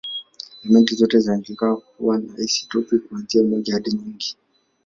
Elementi zote zinajulikana kuwa na isotopi, kuanzia moja hadi nyingi.